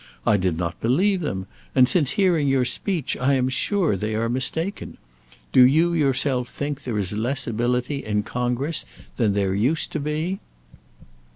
I did not believe them, and since hearing your speech I am sure they are mistaken. Do you yourself think there is less ability in Congress than there used to be?"